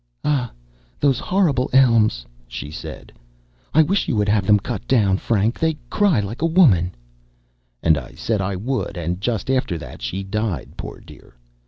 "Ah! those horrible elms," she said; "I wish you would have them cut down, Frank; they cry like a woman," and I said I would, and just after that she died, poor dear.